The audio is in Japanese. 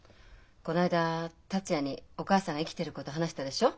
こないだ達也にお母さんが生きていること話したでしょ。